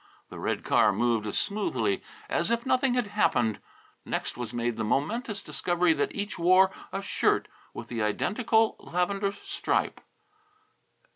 The red car moved as smoothly as if nothing had happened. Next was made the momentous discovery that each wore a shirt with the identical lavender stripe.